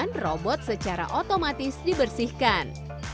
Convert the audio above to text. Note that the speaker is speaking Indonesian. dan robot secara otomatis dibersihkan